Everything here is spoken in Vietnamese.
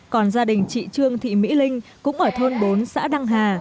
còn gia đình chị trương thị mỹ linh cũng ở thôn bốn xã đăng hà